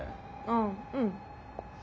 あっうん。